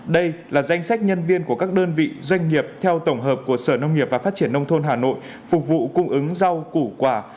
đây là danh sách nhân viên của các đơn vị doanh nghiệp theo tổng hợp của sở nông nghiệp và phát triển nông thôn hà nội phục vụ cung ứng rau củ quả